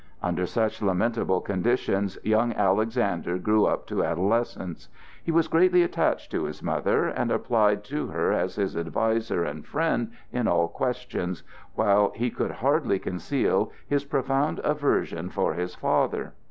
Under such lamentable conditions young Alexander grew up to adolescence. He was greatly attached to his mother, and applied to her as his adviser and friend in all questions, while he could hardly conceal his profound aversion for his father.